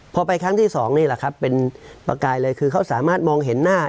พอไปครั้งที่สองนี่แหละครับเป็นประกายเลยคือเขาสามารถมองเห็นหน้า